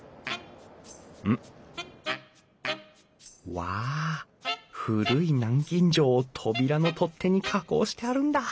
わあ古い南京錠を扉の取っ手に加工してあるんだ。